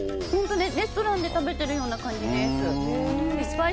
本当にレストランで食べてるような感じです。